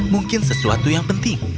mungkin sesuatu yang penting